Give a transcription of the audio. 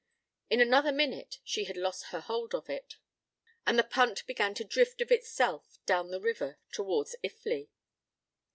In another minute she had lost her hold of it, and the punt began to drift of itself down the river towards Iffley.